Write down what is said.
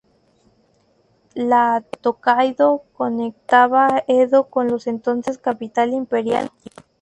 La Tōkaidō conectaba Edo con la entonces capital imperial, Kioto.